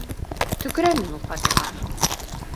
Төкөрәм мин ул фатирға!